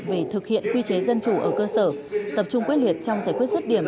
về thực hiện quy chế dân chủ ở cơ sở tập trung quyết liệt trong giải quyết rứt điểm